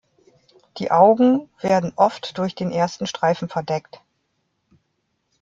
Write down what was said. Die Augen werden oft durch den ersten Streifen verdeckt.